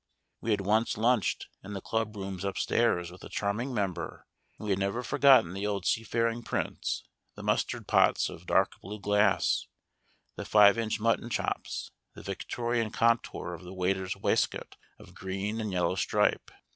We had once lunched in the clubrooms upstairs with a charming member and we had never forgotten the old seafaring prints, the mustard pots of dark blue glass, the five inch mutton chops, the Victorian contour of the waiter's waistcoat of green and yellow stripe.